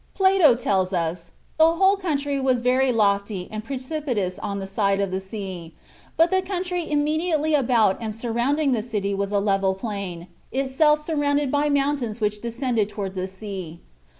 Plato tells us, "The whole country was very lofty and precipitous on the side of the sea, but the country immediately about and surrounding the city was a level plain, itself surrounded by mountains which descended toward the sea."